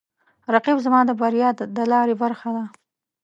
رقیب زما د بریا د لارې برخه ده